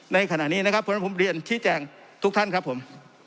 ในขณะนี้นะครับเพราะฉะนั้นผมเรียนชี้แจงทุกท่านครับผม